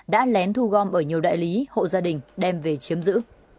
đã lén thu gom ở nhiều đại lý hộ gia đình đem về chiếm giữ